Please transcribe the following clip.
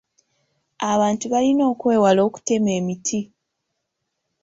Abantu balina okwewala okutema emiti.